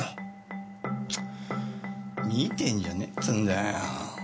チッ見てんじゃねえっつうんだよ。